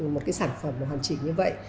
một cái sản phẩm mà hoàn chỉnh được